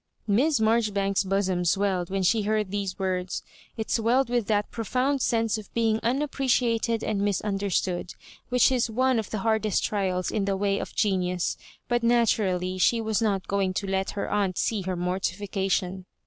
Misa Marjoribanks's bosom swelled when she heard these words—it swelled with that profound sense of being unappreciated and misunderstood, which is one of the hardest trials in the way of genius; but naturally she was not going to let her aunt see her mortification.